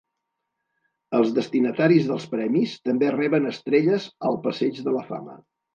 Els destinataris dels premis també reben estrelles al Passeig de la Fama.